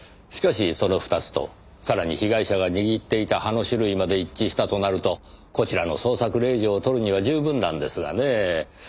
しかしその２つとさらに被害者が握っていた葉の種類まで一致したとなるとこちらの捜索令状を取るには十分なんですがねぇ。